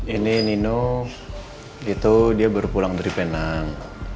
ini nino itu dia baru pulang dari penang